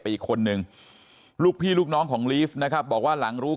อีกคนนึงลูกพี่ลูกน้องของลีฟนะครับบอกว่าหลังรู้